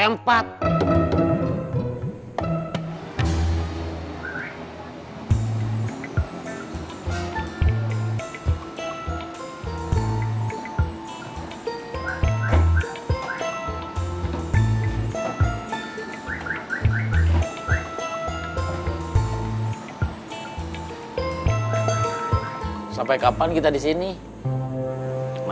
meskipun pintu terbuka